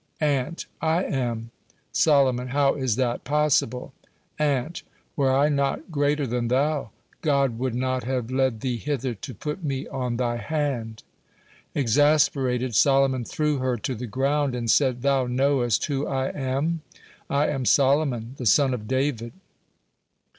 Ant: "I am." Solomon: "How is that possible?" Ant: "Were I not greater than thou, God would not have led thee hither to put me on thy hand." Exasperated, Solomon threw her to the ground, and said: "Thou knowest who I am? I am Solomon, the son of David."